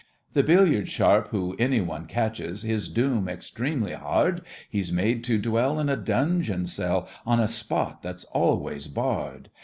The billiard sharp who any one catches, His doom's extremely hard— He's made to dwell— In a dungeon cell On a spot that's always barred.